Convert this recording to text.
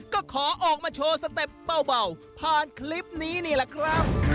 ก็ขอออกมาโชว์สเต็ปเบาผ่านคลิปนี้นี่แหละครับ